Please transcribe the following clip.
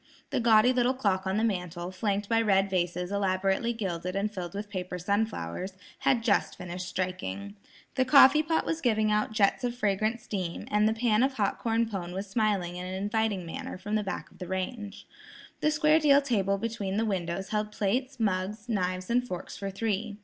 The gaudy little clock on the mantel, flanked by red vases elaborately gilded and filled with paper sunflowers, had just finished striking. The coffee pot was giving out jets of fragrant steam, and the pan of hot corn pone was smiling in an inviting manner from the back of the range. The square deal table between the windows held plates, mugs, knives and forks for three.